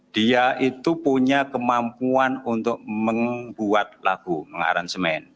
dia itu punya kemampuan untuk membuat lagu mengaransemen